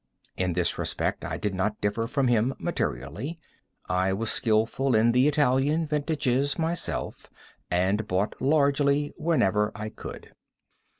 In this respect I did not differ from him materially: I was skilful in the Italian vintages myself, and bought largely whenever I could.